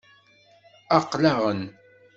Aql-aɣ-n.